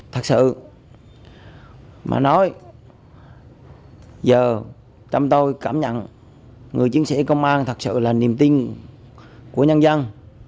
thật sự mà nói giờ chăm tôi cảm nhận người chiến sĩ công an thật sự là niềm tin của nhân dân